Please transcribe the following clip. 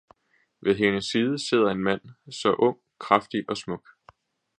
Ved hendes side sidder en mand, så ung, kraftig og smuk.